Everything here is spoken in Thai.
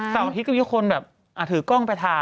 อาทิตย์ก็มีคนแบบถือกล้องไปถ่าย